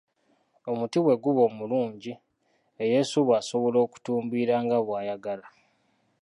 "Omuti bwe guba omulungi, eyeesuuba asobola okutumbiira nga bw’ayagala."